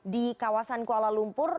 di kawasan kuala lumpur